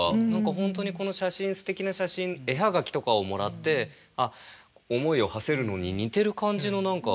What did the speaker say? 本当にこの写真すてきな写真絵葉書とかをもらって思いをはせるのに似てる感じの何か。